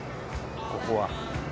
ここは。